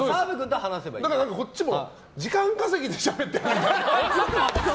こっちも時間稼ぎでしゃべってる。